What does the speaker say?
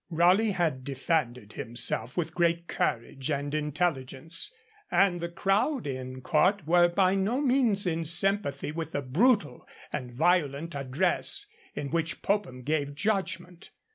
Raleigh had defended himself with great courage and intelligence, and the crowd in court were by no means in sympathy with the brutal and violent address in which Popham gave judgment.